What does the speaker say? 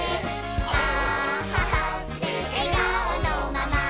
あははってえがおのまま」